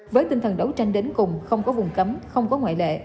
với tinh thần đấu tranh đến cùng không có vùng cấm không có ngoại lệ